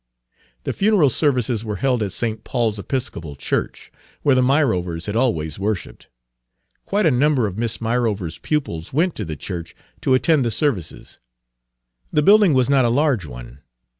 The funeral services were held at St. Paul's Episcopal Church, where the Myrovers had always worshiped. Quite a number of Miss Myrover's pupils went to the church to attend the services. The building was not a large one.